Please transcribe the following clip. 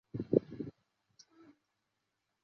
原候机楼在装修过后成为了五号停机坪购物广场。